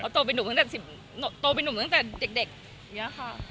ตัวเป็นหนุ่มตั้งแต่เด็ก